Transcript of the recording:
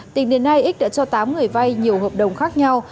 tỉnh đến nay x đã cho tám người vai nhiều hợp đồng khác nhau